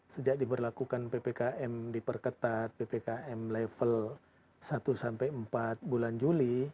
sejak diberlakukan ppkm diperketat ppkm level satu sampai empat bulan juli